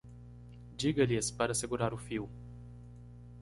Diga-lhes para segurar o fio.